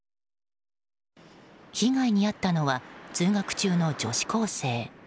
被害に遭ったのは通学中の女子高生。